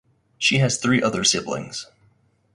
She has three other siblings.